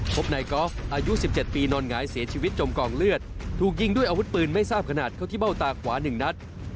พบนายกอล์ฟอายุ๑๗ปีนอนหงายเสียชีวิตจมกองเลือดถูกยิงด้วยอาวุธปืนไม่ทราบขนาดเข้าที่เบ้าตาขวา๑นัด